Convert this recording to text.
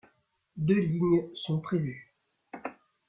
Deux lignes sont prévues.